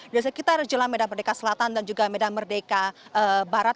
di sekitar jalan medan merdeka selatan dan juga medan merdeka barat